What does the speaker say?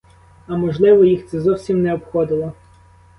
А можливо, їх це зовсім не обходило.